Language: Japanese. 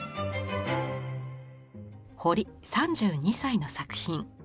堀３２歳の作品。